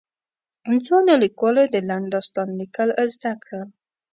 ځوانو ليکوالو د لنډ داستان ليکل زده کړل.